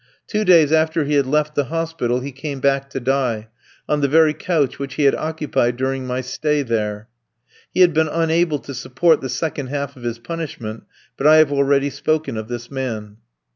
Two days after he had left the hospital he came back to die on the very couch which he had occupied during my stay there. He had been unable to support the second half of his punishment; but I have already spoken of this man.